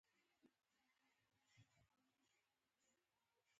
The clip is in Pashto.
ځکه چې دغه هېوادونه د غوره تګلارو په خپلولو بریالي راوتلي.